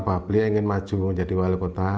bahwa beliau ingin maju menjadi wali kota